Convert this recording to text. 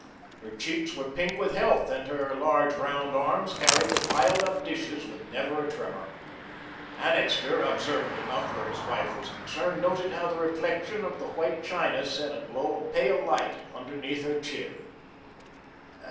Her cheeks were pink with health, and her large round arms carried the piled up dishes with never a tremour. Annixter, observant enough where his wife was concerned noted how the reflection of the white china set a glow of pale light underneath her chin.